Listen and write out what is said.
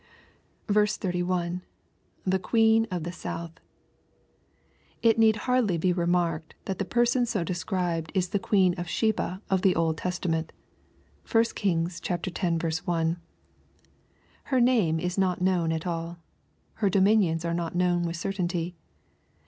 31. — [The queen of the south^ It need hardly be remaiked that the person so described is the queen of Sheba of the Old Testament. (1 Kings X. 1.) Her name is not known at alL Her dominions are not known with certainty.